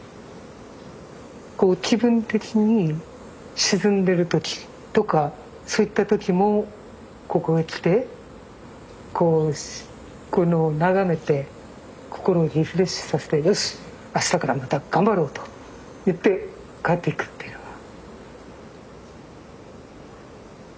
気分的に沈んでる時とかそういった時もここへ来て眺めて心をリフレッシュさせてよしあしたからまた頑張ろうと言って帰っていくっていうのが。